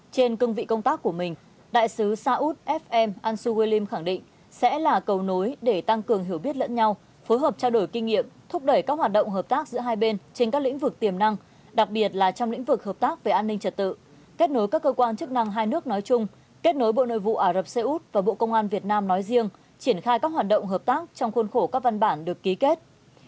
trên cương vị công tác của mình đại sứ sa ud fm ansu william khẳng định sẽ là cầu nối để tăng cường hiểu biết lẫn nhau phối hợp trao đổi kinh nghiệm thúc đẩy các hoạt động hợp tác giữa hai bên trên các lĩnh vực tiềm năng đặc biệt là trong lĩnh vực hợp tác về an ninh trật tự kết nối các cơ quan chức năng hai nước nói chung kết nối bộ nội vụ ả rập xê út và bộ công an việt nam nói riêng triển khai các hoạt động hợp tác trong khuôn khổ các văn bản được ký kết